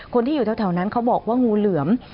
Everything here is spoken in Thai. คนที่อยู่แถวนั้นเขาบอกว่างูเหลือม